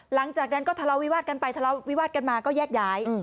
หลังจากนั้นก็ทะเลาวิวาสกันไปทะเลาวิวาสกันมาก็แยกย้าย